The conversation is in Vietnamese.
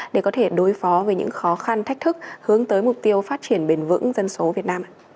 để có thể đối phó với những khó khăn thách thức hướng tới mục tiêu phát triển bền vững dân số việt nam